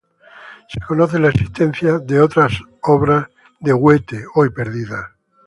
Se conoce la existencia de otras obras de Huete hoy perdidas.